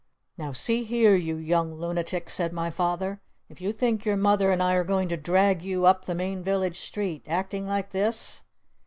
"Now see here, you young Lunatics," said my Father. "If you think your Mother and I are going to drag you up the main village street acting like this?"